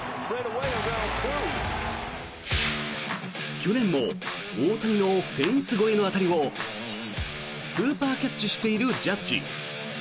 去年も大谷のフェンス越えの当たりをスーパーキャッチしているジャッジ。